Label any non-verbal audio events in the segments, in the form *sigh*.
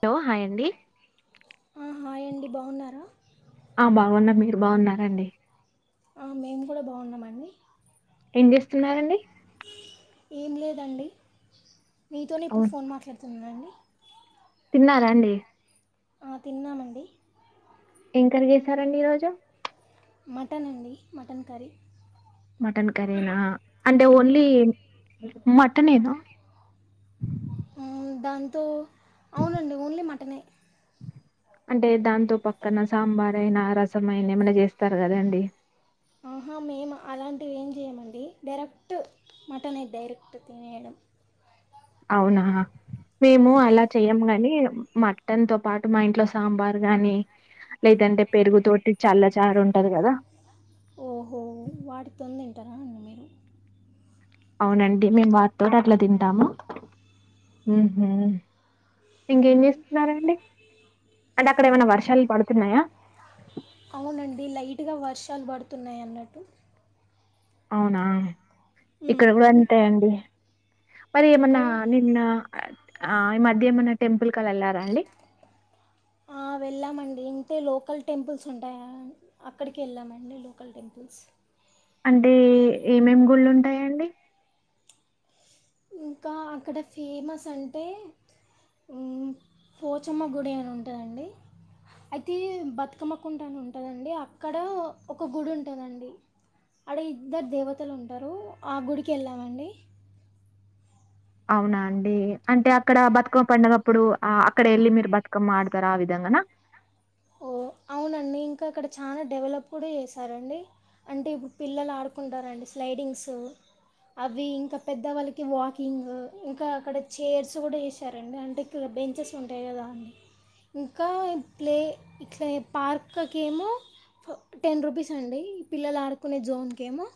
Hello hi అండి ఆ, hi అండి బాగున్నారా ఆ బాగున్న మీరు బాగున్నారండి మేము కూడా బాగున్నామండి ఏం చేస్తున్నారండి ఏం లేదండి మీతోనే ఇప్పుడు అవును ఫోన్ మాట్లాడుతున్ననండి తిన్నారా అండి ఆ తిన్నామండి ఎం కర్రీ చేశారండి ఈరోజు మటన్ అండి మటన్ కర్రీ మటన్ కరీనా అంటే ఓన్లీ మటన్ ఏనా హ్మ్ దాంతో అవునండి ఓన్లీ మటనె అంటే దాంతో పక్కన సాంబార్ అయిన రసం అయిన ఏమైనా చేస్తారు కదండి ఆహా మేమ్ అలాంటివి ఏం చేయమండి డైరెక్ట్ మటనె డైరెక్ట్ తినేయడం. అవునా మేము అలా చెయ్యము గాని మటన్ తో పాటు మా ఇంట్లో సాంబార్ గాని లేదంటే పెరుగుతోటి చల్ల చారు ఉంటది కదా ఓహో వాటితోని అవునండి మేము వాట్ తోటి అట్లా తింటాము ఇంకేం ఉమ్, చేస్తున్నారండి అంటే అక్కడ ఏమన్న వర్షాలు పడుతున్నాయా గట్టిగా వర్షాలు పడుతున్నాయన్నట్టు అవునా ఇక్కడ ఉమ్, కూడా అంతే అండి మరి ఏమన్నా ఇక్కడ నిన్న ఆ ఈ మధ్య ఏమన్న టెంపుల్ క వెళ్లారా అండి ఆ వెళ్ళామండి ఇంతే లోకల్ టెంపుల్స్ ఉంటాయా అక్కడికి వెళ్ళామండి లోకల్ టెంపుల్స్ అంటే ఏమేమి గుళ్ళుంటాయండి ఇంకా అక్కడ ఫేమస్ అంటే హ్మ్ పోచమ్మ గుడి అని ఉంటదండి. అయితే బతుకమ్మకుంట అని ఉంటదండి. అక్కడ ఒక గుడి ఉంటదండి అడ ఇద్దరు దేవతలు ఉంటారు. ఆ గుడికి వెళ్ళామండి. అవునా అండి అంటే అక్కడ బతుకమ్మ పండుగప్పుడు అక్కడ వెళ్ళి మీరు బతుకమ్మ ఆడతారు ఆ విధంగన ఓహ్! అవునండి. ఇంకా అక్కడ చాలా డెవలప్ కూడా చేశారండి. అంటే ఇప్పుడు పిల్లలు ఆడుకుంటారండి స్లైడింగ్స్ అవి ఇంకా పెద్దవాళ్ళకి వాకింగ్ ఇంకా అక్కడ చేర్స్ కూడా యెశారండి. అంటే ఇక్కడ బెంచెస్ ఉంటాయి. కదా అండి ఇంకా ప్లే ఇట్లా పార్క్క్ ఏమో టెన్ రూపీస్ అండి. పిల్లలు ఆడుకునే జోన్ కెమో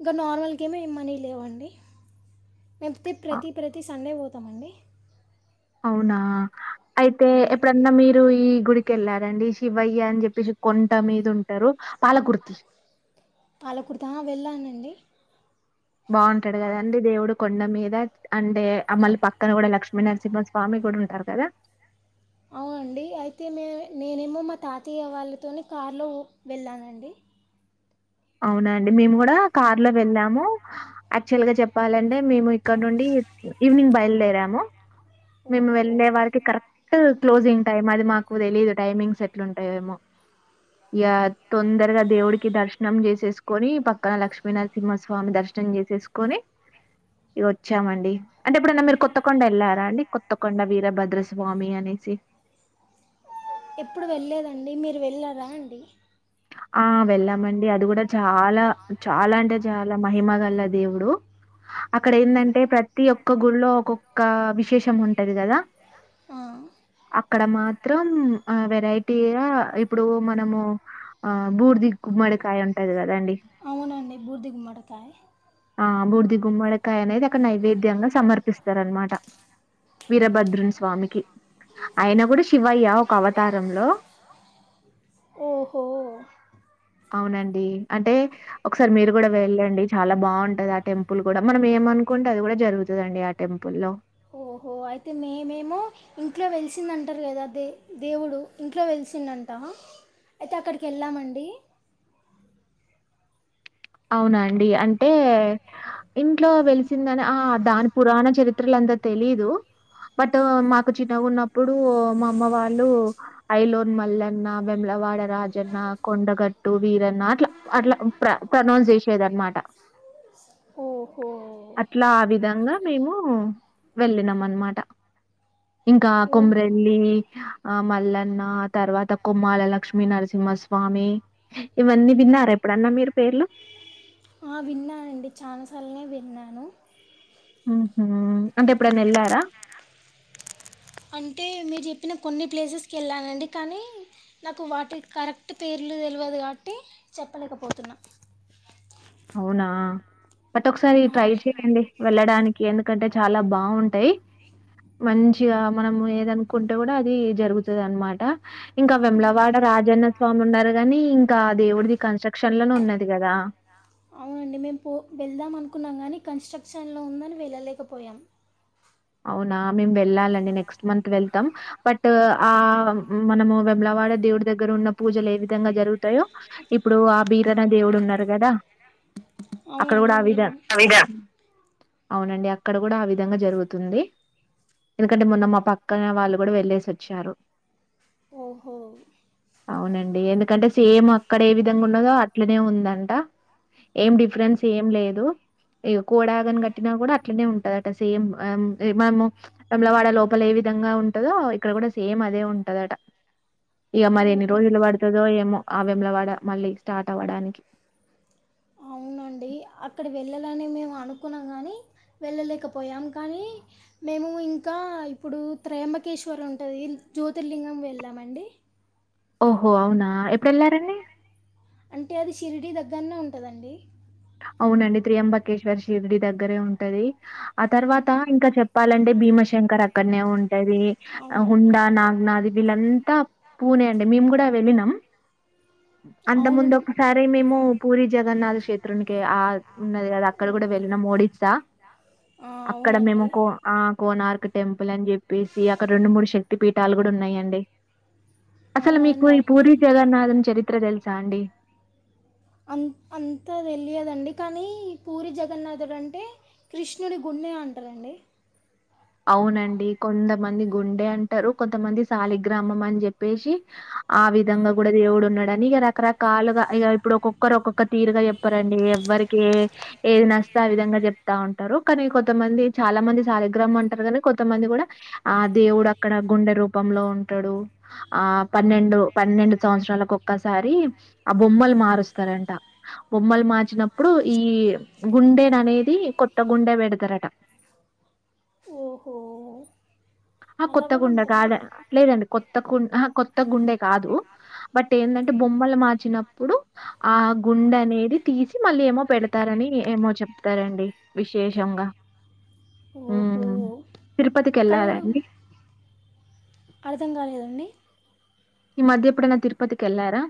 ఇంకా నార్మల్కెమో ఏం మనీ లేవండి. మప్తే ఆ, ప్రతీ ప్రతీ సండే పోతామండి అవునా అయితే హ్మ్. ఎప్పుడన్నా మీరు ఈ గుడి వెళ్ళారంండి శివయ్య అని చెప్పేసి కొంట మీద ఉంటారు పాలకుర్తి పాలకూడతా వెళ్ళానండి బాగుంటాడు కదా అండి దేవుడు కొండ మీద అంటే మమ్మని పక్కన కూడా లక్ష్మీనరసింహ స్వామి కూడా ఉంటారు కదా అవునండి అయితే మే నేనేమో మా తాతయ్య వాళ్ళతోనే కారులో వెళ్ళానండి అవునా అండి మేము కూడా కార్ లో వెళ్ళాము యాక్చువల్ గా చెప్పాలంటే మేము ఇక్కడ నుండి ఈవినింగ్ బయలుదేరాము మేము ఓహో వెళ్ళే వారికి కరెక్ట్ క్లోజింగ్ టైమ్ అది మాకు తెలీదు టైమింగ్ ఎట్లు ఉంటాయేమో ఇ తొందరగా దేవుడికి దర్శం కనం చేసేసుకొని పక్కన లక్ష్మీనరసింహస్వామి దర్శనం చేసేసుకొని ఇక వచ్చామండి అంటే ఎప్పుడైన్నా మీరు కొత్తకొండ వెళ్లారా అండి కొత్తకొండ వీరభద్రస్వామి అనేసి ఎప్పుడు వెళ్లేదండి మీరు వెళ్ళారా అండి ఆ వెళ్ళామండి అది కూడా చాలా చాలా అంటే చాలా మహిమగల్ల దేవుడు అక్కడ ఏంటంటే ప్రతి ఒక్క గుళ్లో ఒక్కొక్క విశేషం ఉంటది కదా ఆ, అక్కడ మా మాత్రం వెరైటీ ఇప్పుడు మనము ఆ బూర్ది గుమ్మడికాయ ఉంటది కదండి అవునండి బూర్దిిగు మడతాయి ఆ బూర్ది గుమ్మడికాయ అనేది అక్కడ నైవేద్యంగా సమర్పిస్తారనమాట వీరభద్రుని స్వామికి ఆయన కూడా శివయ్య ఒక అవతారంలో ఓహో అవునండి అంటే ఒకసారి మీరు కూడా వెళ్ళండి చాలా బాగుంటది ఆ టెంపుల్ కూడా మనం ఏమ అనుకుంటే అది కూడా జరుగుతుందండి ఆ టెంపుల్లో ఓహో అయితే మే మేమో ఇంట్లో వెలిసింద అంటారు కదా దే దేవుడు ఇంట్లో వెలిసిందంట అయితే అక్కడికి వెళ్ళామండి అవునండి అంటే ఇంట్లో వెలిసిందని ఆ దాని పురాణ చరిత్రలు అంతా తెలీదు బట్ మాకు చిన్నగా ఉన్నప్పుడు మా అమ్మ వాళ్ళు ఐలోన్ మల్లన్న బమ్లవాడ రాజన్న కొండగట్టు వీరన్న అట్లా అట్లా ప్ర ప్రనౌన్స్ చేసేద అనమాట ఓహో అట్లా ఆ విధంగా మేము వెళ్ళినం అనమాట ఇంకా ఓ కొమరెల్లి ఆ మల్లన్న తర్వాత కొమ్మళ లక్ష్మీ నరసింహస్వామి ఇవన్నీ విన్నారు ఎప్పుడన్నా మీరు పేర్లా విన్నానండి చాలాసార్లునే విన్నాను ఆహ అంటే ఇప్పుడ నెళ్లారా చెప్పినను కొన్ని ప్లేసెస్కి వెళ్ళానండి కానీ నాకు వాటి కరెక్ట్ పేర్లు తెలియదు కాబట్టి చెప్పలేకపోతున్నా అవునా బట్ ఒకసారి ఆ, ట్రై చేయండి వెళ్ళడానికి ఎందుకంటే చాలా బాగుంటాయి మంచిగా మనం ఏదనుకుంటే కూడా అది జరుగుతుంది అనమాట ఇంకా ఉమ్, విమ్లవాడ రాజన్న స్వామి ఉన్నారు గాని ఇంకా దేవుడిది కన్స్ట్రక్షన్ లోనే ఉన్నది కదా అవునండి మేము పో వెళ్దాం అనుకున్నాం కానీ కన్స్ట్రక్షన్లో ఉందని వెళ్ళలేకపోయాం అవునా మేము వెళ్ళాలండి నెక్స్ట్ మంత్ వెళ్తాం బట్ ఆ మనము వెమ్లవాడ దేవుడి దగ్గర ఉన్న పూజలు ఏ విధంగా జరుగుతాయో ఇప్పుడు ఆ బీరనా దేవుడు ఉన్నారు కదా అవునండి వీర అవునండి అక్కడ కూడా ఆ విధంగా జరుగుతుంది ఎందుకంటే మొన్న మా పక్కన వాళ్ళు కూడా వెళ్లేసి వచ్చారు ఓహో అవునండి ఎందుకంటే సేమ్ అక్కడ ఏ విధంగా ఉన్నదో అట్లనే ఉందంట ఏం డిఫరెన్స్ ఏం లేదు ఇక కూడాగని కట్టిన కూడా అట్లనే ఉంటదట సేమ్ మనము తమలవాడ లోపల ఏ విధంగా ఉంటదో ఇక్కడ కూడా సేమ్ అదే ఉంటదట ఇక మరి ఎన్ని ఓహో రోజులు పడుతుందో ఏమో ఆవేల వాడ మళ్ళీ స్టార్ట్ అవ్వడానికి అవునండి అక్కడ వెళ్ళాలని మేము అనుకున్నాం కానీ వెళ్ళలేకపోయాము కానీ మేము ఇంకా ఇప్పుడు త్రయాంబకేశ్వరం ఉంటుంది జ్యోతిర్లింగం వెళ్ళామండి ఓహో అవునా ఎప్పుడు వెళ్లారండి అంటే అది షిర్డీ దగ్గరనే ఉంటదండి అవునండి త్రి అంబకేశ్వర షిర్డి దగ్గరే ఉంటది ఆ తర్వాత ఇంకా చెప్పాలంటే భీమశంకర్ అక్కడనే ఉంటది అవునండి హుడా అవును నాగ్నాది వీళ్ళంతా పూనే అండి మేము కూడా వెళ్ళినం అంత ముందు అవునండి ఒకసారి మేము పూరి జగన్నాథ్ క్షేత్ర ఆ ఉన్నది అద అక్కడ కూడా వెళ్ళిన మోడిసా ఆ, అక్కడ మేము అవునండి కో ఆ కోనార్క్ టెంపుల్ అని చెప్పేసి అడ రెండు మూడు శక్తి పెట్ పట్టాలు కూడా ఉన్నాయండి అసలు అవునా మీకు అండి ఈ పూరి జగన్నాథం చరిత్ర ఎత్ర తెలు చాండడి అంత అంతా తెలియదండి కానీ పూరి జగన్నాథుడు అంటే కృష్ణుడి గుండె అంటారండి అవునండి కొంతమంది గుండె అంటారు కొంతమంది సాలిగ్రామం అని చెప్పేసి ఆ విధంగా కూడా దేవుడు ఉన్నాడుని ఇక రకరకాలుగా ఇక ఇప్పుడు ఒక్కొక్కరు ఒక్కొక్క తీరుగా చెప్పారండి ఎవ్వరికి ఏది నస్త ఆ విధంగా చెప్తా ఉంటారు కానీ కొంతమంది చాలా మంది సాలిగ్రామం అంట ారు కానీ కొంతమంది కూడా ఆ దేవుడు అక్కడ గుండె రూపంలో ఉంటాడు ఆ పన్నెండు పన్నెండు సంవత్సరాలకు ఒక్కసారి ఆ బొమ్మలు మారుస్తారంట బొమ్మలు మార్చినప్పుడు ఈ గుండెను అనేది కొత్త గుండె పెడతారట ఓహో ఆ అలా కొత్త కూడా గుండ ఉంటారు గడ లేదండి కొత్త కొత్త కు ఆహా కొత్త గుండె కాదు బట్ ఏందంటే బొమ్మలు మార్చినప్పుడు ఆ గుండె అనేది తీసి మళ్ళీ ఏమో పెడతారని ఏమో చెపారండి విశేషంగా ఓహో హ్మ్ అక్కడ తిరుపతికెళ్ళారా కూడా అండి? అర్థం కాలేదండి ఈ మధ్య ఎప్పుడైన్న తిరుపతికి వెళ్ళారా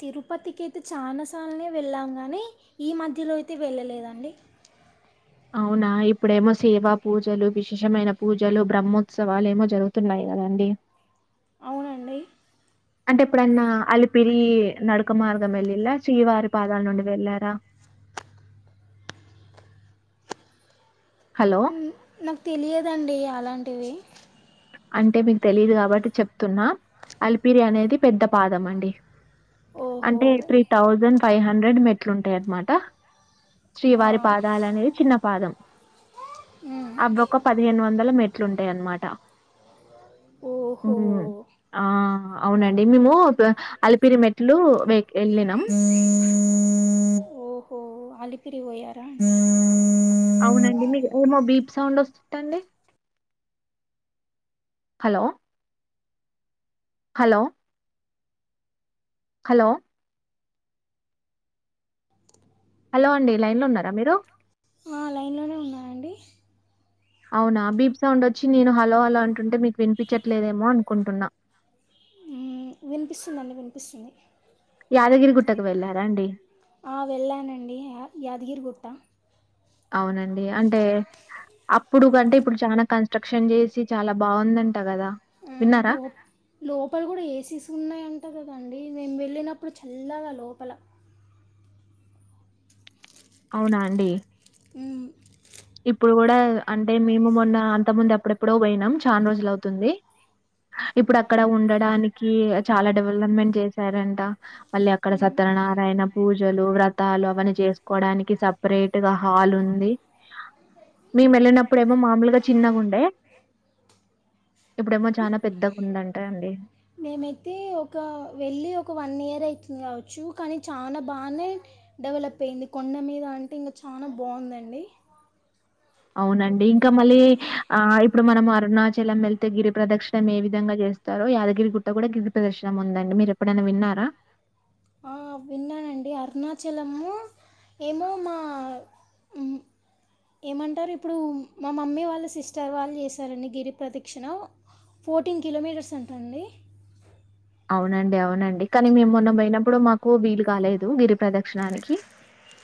తిరుపతికి అయితే చాలాసార్లు వెళ్ళాము కానీ ఈ మధ్యలో అయితే వెళ్ళలేదండి అవునా ఇప్పుడేమో సేవా పూజలు విశేషమైన పూజలు బ్రహ్మోత్సవాలుేమో జరుగుతున్నాయి కదండి అవునండి అంటే ఎప్పుడన్నా అలిపిరి నడుక మార్గం వెళ్ళిలా శ్రీవారి పాదాల నుండి వెళ్ళారా హలో ఓమ్ నాకు తెలియదండి అలాం టివే అంటే మీకు తెలిదు కాబట్టి చెప్తున్నా అలిపిరి అనేది పెద్ద పాదం అండి ఓహో అంటే త్రీ థౌజండ్ ఫైవ్ హండ్రెడ్ మెట్లు ఉంటాయి అన్నమాట ఆ, శ్రీవారి పాదాల అనేది చిన్న పాదం ఉమ్. అవి ఒక పదిహేను వందల మెట్లు ఉంటాయి అన్నమాట ఓహో ఉమ్ ఆఆ అవునండి మేము అలిపిరి మెట్లు వె ఎళ్ళినం తిరిగి పోయారా *unintelligible* అవునండి మీకు ఏమో బీప్ సౌండ్ వస్తుందండి హలో హలో హలో హలో అండి లైన్ లో ఉన్నారా మీరు అండి అవునా బీప్ సౌండ్ వచ్చి నేను హలో హలో అంటుంటే మీకు వినిపించట్లేదేమో అనుకుంటున్నా వినిపిస్తోంది యాదగిరిగుట్టకు వెళ్లారా అండి? ఆ వెళ్ళానండి యా యాదగిరి గుట్టు అవునండి అంటే అప్ ఇప్పుడు కంటే ఇప్పుడు చాలా కన్స్ట్రక్షన్ చేసి చాలా బాగుందండి ఆ లో లోపల కూడా ఏసీస్ ఉన్నాయంట కదా అండి మేము వెళ్ళినప్పుడు చల్లగా లోపల అవునా అండి మ్, ఇప్పుడు కూడా అంటే మేము మొన్న అంత ముందు ఎప్పుడెప్పుడో పోయినాం చాలా రోజులు అవుతుంది ఇప్పుడు అక్కడ ఉండడానికి చాలా డెవలప్మెంట్ చేసారంట మళ్ళీ అక్కడ సత్యనారాయణ పూజలు వ్రత వ్రతాలు అవన్నీ చేసుకోవడానికి సపరేట్ గా హాల్ ఉంది మేము వెళ్ళినప్పుడు ఏమో మామూలుగా చిన్నగా ఉండే ఇప్పుడేమో చాలా పెద్దగా ఉందంటా అండి మేమైతే ఒక వెళ్ళి ఒక వన్ ఇయర్ అవుతుంది కావచ్చు కానీ చాలా బాగానే డెవలప్ అయింది కొండ మీద అంటే ఇంకా చాలా బాగుందండి అవునండి ఇంకా మళ్ళీ ఆ ఇప్పుడు మనం అరుణాచలం వెళ్తే గిరి ప్రదక్షిణం ఏ విధంగా చేస్తారో యాదగిరిగుట్ట కూడా గిరి ప్రదర్క్షిణ ఉందండి మీరు ఎప్పుడైనా విన్నారా ఆ విన్నానండి అరుణాచలము ఏమో మా ఏమంటారు ఇప్పుడు మా మమ్మీ వాళ్ళు సిస్టర్ వాళ్ళు చేశారండి గిరిప్రదక్షిణ ఫోర్టీన్ కిలోమీటర్స్ అంటండి అవునండి అవునండి కానీ మేము మొన్న పోయినప్పుడు మాకు వీలు కాలేదు గిరి ప్రదక్షిణానికి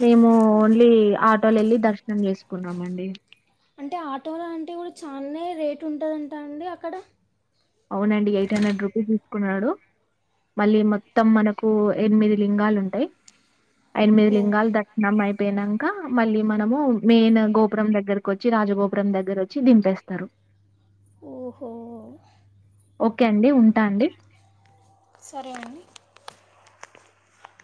మేము ఓన్లీ ఆ వెళ్ళి దర్శనం చేసుకున్నాం అండి అంటే ఆటో లాంటివి కూడా చాలనే రేటు ఉంటుందంటా అండి అక్కడ న్నాడు మళ్ళీ మొత్తం మనకు ఎనిమిది లింగాలు ఉంటాయి ఎనిమిది ఓహ్! లింగాలు దర్శనం అయిపోయినాక మళ్ళీ మనము మెయిన్ గోపురం దగ్గరకు వచ్చి రాజగోపురం దగ్గర వచ్చి దింపేస్తారు ఓహో ఓకే అండి ఉంటా అండి సరే అండి